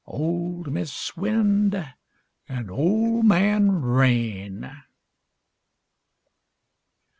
Old Mis' Wind and Old Man Rain.